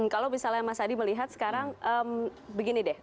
kalau misalnya mas adi melihat sekarang begini deh